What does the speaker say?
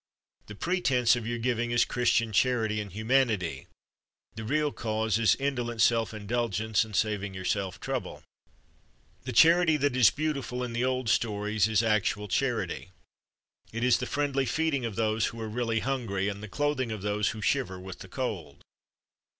The pretence of your giving is Christian charity and humanity; the real cause is indolent self indulgence and saving yourself trouble. The charity that is beautiful in the old stories is actual charity. It is the friendly feeding of those who are really hungry, and the clothing of those who shiver with the cold.